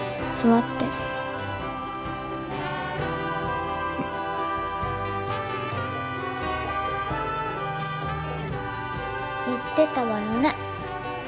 座って言ってたわよね